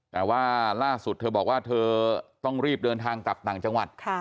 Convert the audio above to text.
แต่ว่าล่าสุดเธอบอกว่าเธอต้องรีบเดินทางกลับต่างจังหวัด